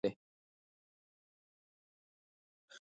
په وروستیو کلونو کې مسلمان شوی دی.